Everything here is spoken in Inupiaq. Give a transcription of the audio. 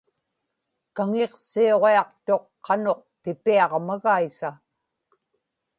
kaŋiqsiuġiaqtuq qanuq pipiaġmagaisa